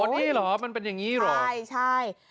นี่เหรอมันเป็นอย่างนี้เหรอใช่ใช่